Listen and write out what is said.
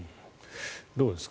どうですか？